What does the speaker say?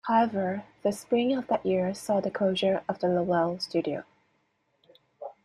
However, the spring of that year saw the closure of the Lowell studio.